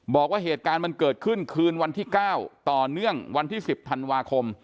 บอกว่าเหตุการณ์มันเกิดขึ้นคืนวันที่๙ต่อเนื่องวันที่๑๐ธันวาคม